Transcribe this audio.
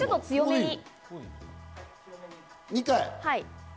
２回？